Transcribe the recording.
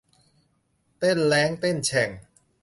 เต้นแร้งเต้นแฉ่ง